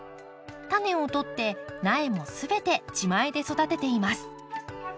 タネをとって苗も全て自前で育てています。